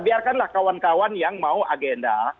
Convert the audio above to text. biarkanlah kawan kawan yang mau agenda